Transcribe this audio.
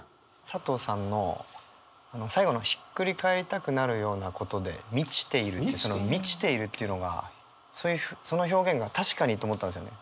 佐藤さんの最後の「ひっくり返りたくなるようなことで満ちている」ってその「満ちている」っていうのがその表現が確かにと思ったんですよね。